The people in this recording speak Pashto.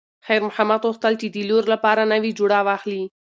خیر محمد غوښتل چې د لور لپاره نوې جوړه واخلي.